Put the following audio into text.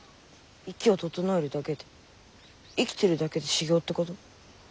息を整えるだけで生きてるだけで修行ってこと？